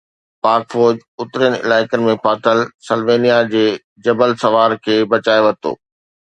پاڪ فوج اترين علائقن ۾ ڦاٿل سلووينيا جي جبل سوار کي بچائي ورتو